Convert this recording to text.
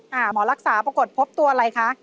หมอรักษาปรากฏพบตัวอะไรคะ